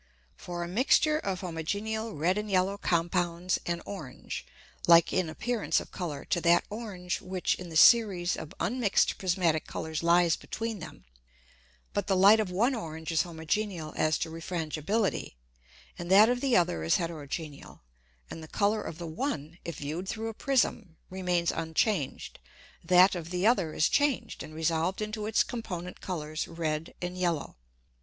_ For a Mixture of homogeneal red and yellow compounds an Orange, like in appearance of Colour to that orange which in the series of unmixed prismatick Colours lies between them; but the Light of one orange is homogeneal as to Refrangibility, and that of the other is heterogeneal, and the Colour of the one, if viewed through a Prism, remains unchanged, that of the other is changed and resolved into its component Colours red and yellow.